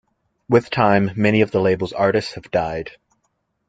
With time, many of the label's artists have died.